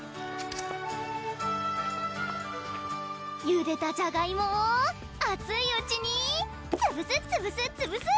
ゆでたじゃがいもをあついうちにつぶすつぶすつぶす！